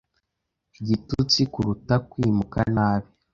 igitutsi kuruta kwimuka nabi